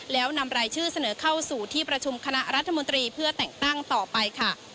แล้วนำรายชื่อเสนอเข้าสู่ที่ประชุมคณะรัฐมนตรีเพื่อแต่งตั้งต่อไปค่ะ